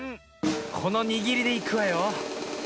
このにぎりでいくわよ。